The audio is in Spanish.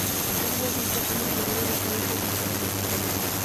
Tienen ojos muy pequeños debido a sus hábitos subterráneos.